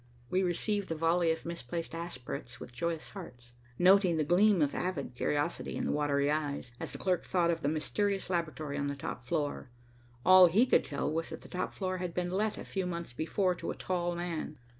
We received the volley of misplaced aspirates with joyous hearts, noting the gleam of avid curiosity in the watery eyes, as the clerk thought of the mysterious laboratory on the top floor. All he could tell was that the top floor had been let a few months before to a tall man.